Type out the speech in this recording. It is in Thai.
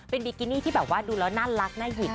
เป็นบิกินี่ที่แบบว่าดูแล้วน่ารักน่าหิด